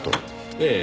ええ。